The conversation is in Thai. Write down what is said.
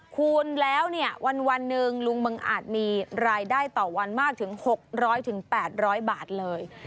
คูณแล้วเนี่ยวันหนึ่งลุงมึงอาจมีรายได้ต่อวันมากถึง๖๐๐๘๐๐บาทเลย